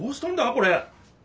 これ。